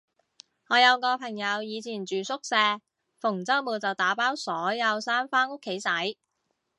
我有個朋友以前住宿舍，逢周末就打包所有衫返屋企洗